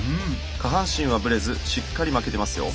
下半身はブレずしっかり巻けてますよ。